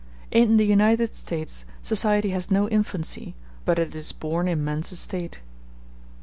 In the United States society has no infancy, but it is born in man's estate.